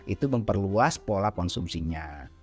itu memperluas pola konsumsinya